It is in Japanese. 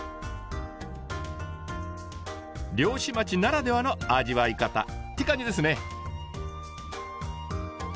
漁師町ならではの味わい方って感じですね。